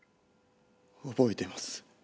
覚えています。